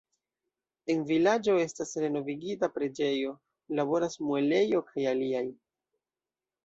En la vilaĝo estas renovigita preĝejo, laboras muelejo kaj aliaj.